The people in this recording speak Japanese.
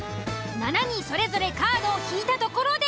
７人それぞれカードを引いたところで。